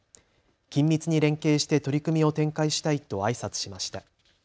緊密に連携して取り組みを展開したいとあいさつしました。